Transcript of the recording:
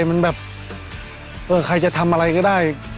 มันแบบเออใครจะทำอะไรก็ได้